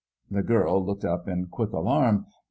The girl looked up in quick alarm.